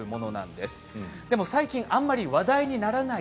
でも最近話題にならない。